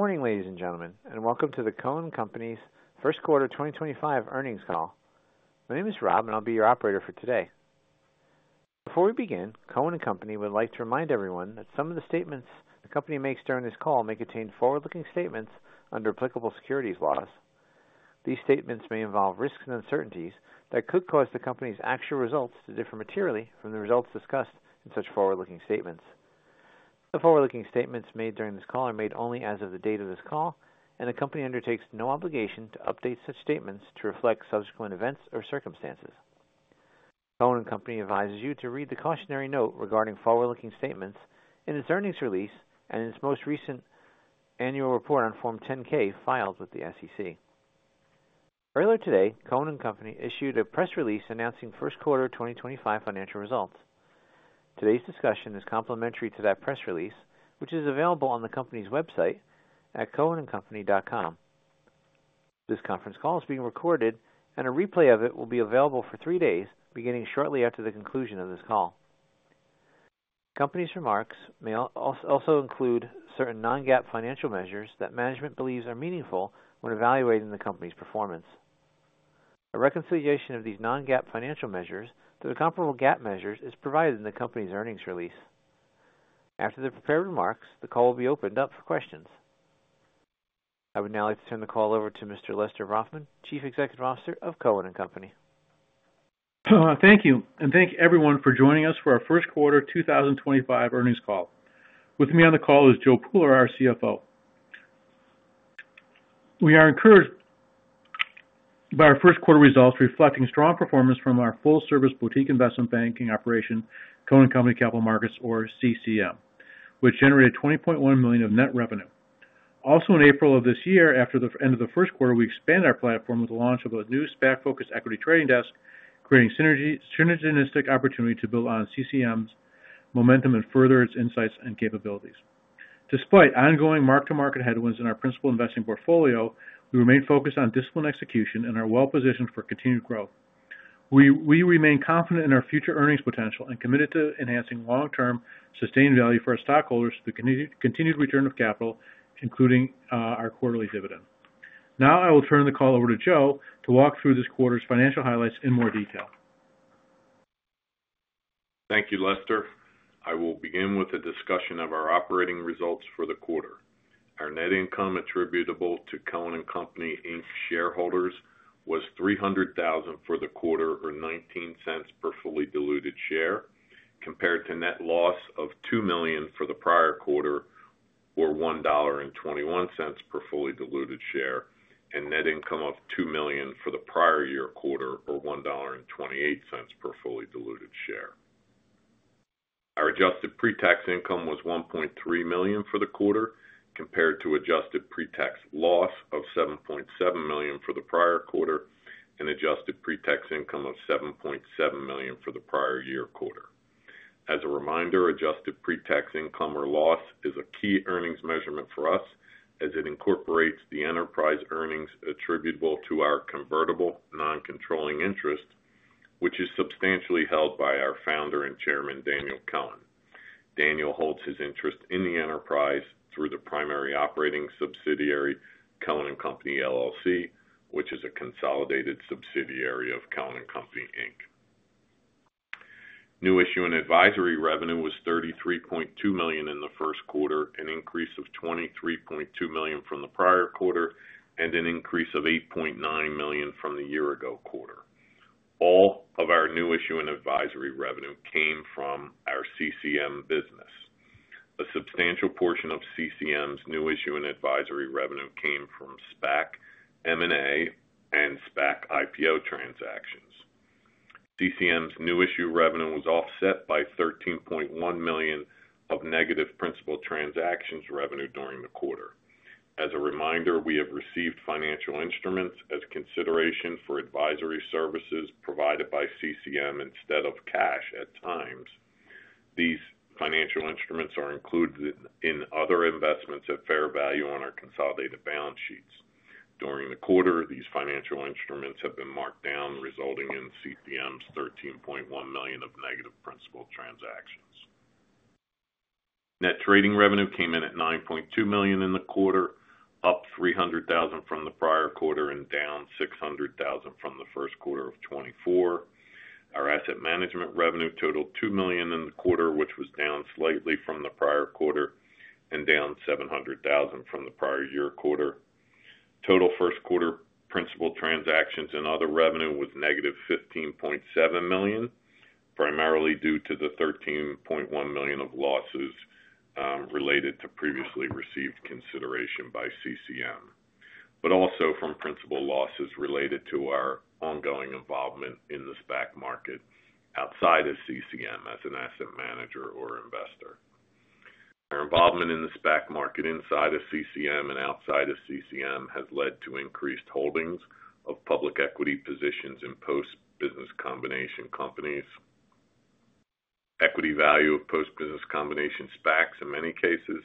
Good morning, ladies and gentlemen, and welcome to the Cohen & Company's first quarter 2025 earnings call. My name is Rob, and I'll be your operator for today. Before we begin, Cohen & Company would like to remind everyone that some of the statements the company makes during this call may contain forward-looking statements under applicable securities laws. These statements may involve risks and uncertainties that could cause the company's actual results to differ materially from the results discussed in such forward-looking statements. The forward-looking statements made during this call are made only as of the date of this call, and the company undertakes no obligation to update such statements to reflect subsequent events or circumstances. Cohen & Company advises you to read the cautionary note regarding forward-looking statements in its earnings release and in its most recent annual report on Form 10-K filed with the SEC. Earlier today, Cohen & Company issued a press release announcing first quarter 2025 financial results. Today's discussion is complementary to that press release, which is available on the company's website at cohenandcompany.com. This conference call is being recorded, and a replay of it will be available for three days beginning shortly after the conclusion of this call. The company's remarks may also include certain non-GAAP financial measures that management believes are meaningful when evaluating the company's performance. A reconciliation of these non-GAAP financial measures to the comparable GAAP measures is provided in the company's earnings release. After the prepared remarks, the call will be opened up for questions. I would now like to turn the call over to Mr. Lester Brafman, Chief Executive Officer of Cohen & Company. Thank you, and thank everyone for joining us for our first quarter 2025 earnings call. With me on the call is Joe Pooler, our CFO. We are encouraged by our first quarter results reflecting strong performance from our full-service boutique investment banking operation, Cohen & Company Capital Markets, or CCM, which generated $20.1 million of net revenue. Also, in April of this year, after the end of the first quarter, we expanded our platform with the launch of a new SPAC-focused equity trading desk, creating synergistic opportunity to build on CCM's momentum and further its insights and capabilities. Despite ongoing mark-to-market headwinds in our principal investing portfolio, we remain focused on discipline execution and are well-positioned for continued growth. We remain confident in our future earnings potential and committed to enhancing long-term sustained value for our stockholders through continued return of capital, including our quarterly dividend. Now, I will turn the call over to Joe to walk through this quarter's financial highlights in more detail. Thank you, Lester. I will begin with a discussion of our operating results for the quarter. Our net income attributable to Cohen & Company shareholders was $300,000 for the quarter, or $0.19 per fully diluted share, compared to net loss of $2 million for the prior quarter, or $1.21 per fully diluted share, and net income of $2 million for the prior year quarter, or $1.28 per fully diluted share. Our adjusted pre-tax income was $1.3 million for the quarter, compared to adjusted pre-tax loss of $7.7 million for the prior quarter and adjusted pre-tax income of $7.7 million for the prior year quarter. As a reminder, adjusted pre-tax income or loss is a key earnings measurement for us, as it incorporates the enterprise earnings attributable to our convertible non-controlling interest, which is substantially held by our founder and chairman, Daniel Cohen. Daniel holds his interest in the enterprise through the primary operating subsidiary, Cohen & Company, which is a consolidated subsidiary of Cohen & Company. New issue and advisory revenue was $33.2 million in the first quarter, an increase of $23.2 million from the prior quarter, and an increase of $8.9 million from the year-ago quarter. All of our new issue and advisory revenue came from our CCM business. A substantial portion of CCM's new issue and advisory revenue came from SPAC M&A and SPAC IPO transactions. CCM's new issue revenue was offset by $13.1 million of negative principal transactions revenue during the quarter. As a reminder, we have received financial instruments as consideration for advisory services provided by CCM instead of cash at times. These financial instruments are included in other investments at fair value on our consolidated balance sheets. During the quarter, these financial instruments have been marked down, resulting in CCM's $13.1 million of negative principal transactions. Net trading revenue came in at $9.2 million in the quarter, up $300,000 from the prior quarter and down $600,000 from the first quarter of 2024. Our asset management revenue totaled $2 million in the quarter, which was down slightly from the prior quarter and down $700,000 from the prior year quarter. Total first quarter principal transactions and other revenue was negative $15.7 million, primarily due to the $13.1 million of losses related to previously received consideration by CCM, but also from principal losses related to our ongoing involvement in the SPAC market outside of CCM as an asset manager or investor. Our involvement in the SPAC market inside of CCM and outside of CCM has led to increased holdings of public equity positions in post-business combination companies. Equity value of post-business combination SPACs, in many cases,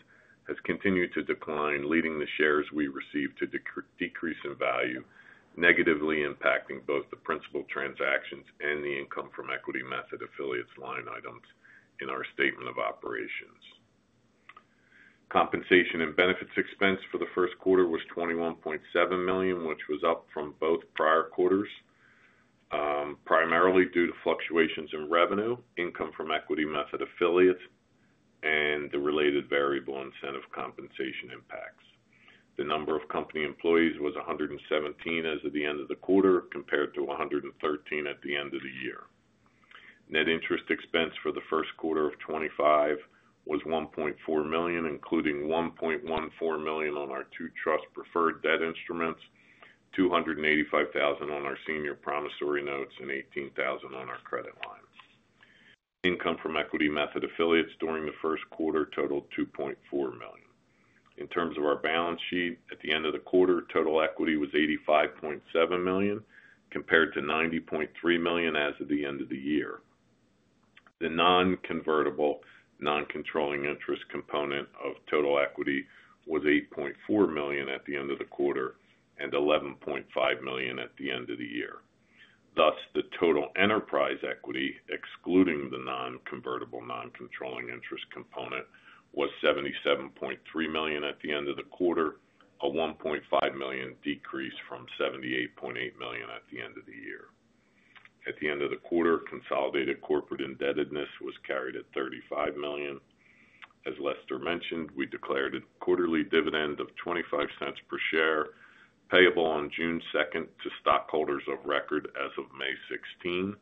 has continued to decline, leading the shares we received to decrease in value, negatively impacting both the principal transactions and the income from equity method affiliates line items in our statement of operations. Compensation and benefits expense for the first quarter was $21.7 million, which was up from both prior quarters, primarily due to fluctuations in revenue, income from equity method affiliates, and the related variable incentive compensation impacts. The number of company employees was 117 as of the end of the quarter, compared to 113 at the end of the year. Net interest expense for the first quarter of 2025 was $1.4 million, including $1.14 million on our two trust-preferred debt instruments, $285,000 on our senior promissory notes, and $18,000 on our credit lines. Income from equity method affiliates during the first quarter totaled $2.4 million. In terms of our balance sheet, at the end of the quarter, total equity was $85.7 million, compared to $90.3 million as of the end of the year. The non-convertible non-controlling interest component of total equity was $8.4 million at the end of the quarter and $11.5 million at the end of the year. Thus, the total enterprise equity, excluding the non-convertible non-controlling interest component, was $77.3 million at the end of the quarter, a $1.5 million decrease from $78.8 million at the end of the year. At the end of the quarter, consolidated corporate indebtedness was carried at $35 million. As Lester mentioned, we declared a quarterly dividend of $0.25 per share, payable on June 2nd to stockholders of record as of May 16.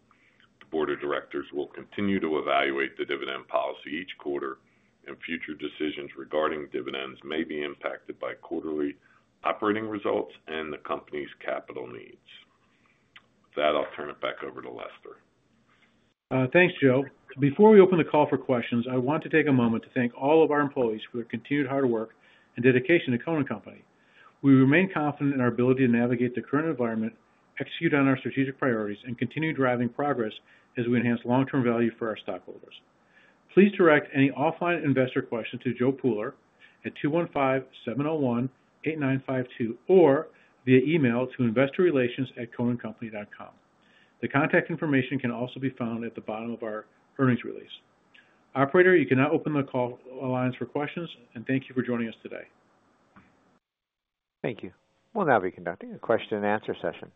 The board of directors will continue to evaluate the dividend policy each quarter, and future decisions regarding dividends may be impacted by quarterly operating results and the company's capital needs. With that, I'll turn it back over to Lester. Thanks, Joe. Before we open the call for questions, I want to take a moment to thank all of our employees for their continued hard work and dedication to Cohen & Company. We remain confident in our ability to navigate the current environment, execute on our strategic priorities, and continue driving progress as we enhance long-term value for our stockholders. Please direct any offline investor questions to Joe Pooler at 215-701-8952 or via email to investorrelations@cohenandcompany.com. The contact information can also be found at the bottom of our earnings release. Operator, you can now open the call lines for questions, and thank you for joining us today. Thank you. We'll now be conducting a question-and-answer session.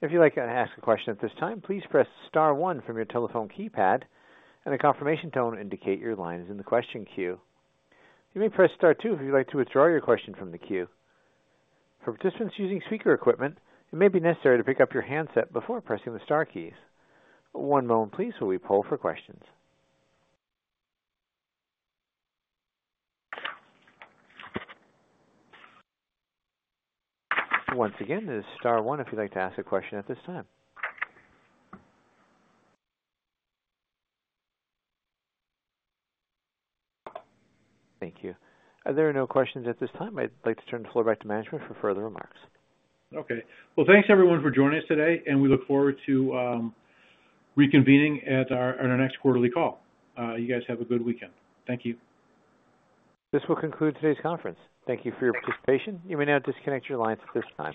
If you'd like to ask a question at this time, please press star one from your telephone keypad, and a confirmation tone will indicate your line is in the question queue. You may press star two if you'd like to withdraw your question from the queue. For participants using speaker equipment, it may be necessary to pick up your handset before pressing the star keys. One moment, please, while we poll for questions. Once again, it is star one if you'd like to ask a question at this time. Thank you. There are no questions at this time. I'd like to turn the floor back to management for further remarks. Okay. Thanks, everyone, for joining us today, and we look forward to reconvening at our next quarterly call. You guys have a good weekend. Thank you. This will conclude today's conference. Thank you for your participation. You may now disconnect your lines at this time.